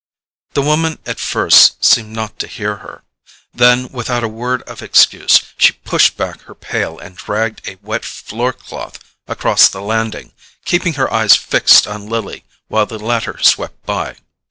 The woman at first seemed not to hear; then, without a word of excuse, she pushed back her pail and dragged a wet floor cloth across the landing, keeping her eyes fixed on Lily while the latter swept by.